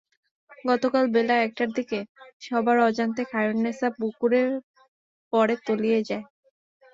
গতকাল বেলা একটার দিকে সবার অজান্তে খায়রুননেছা পুকুরে পড়ে তলিয়ে যায়।